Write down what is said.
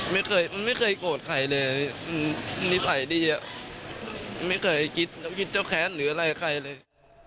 ไม่เคยไม่เคยโกรธใครเลยนิสัยดีไม่เคยคิดเจ้าแค้นหรืออะไรใครเลย